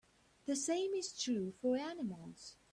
The same is true for animals.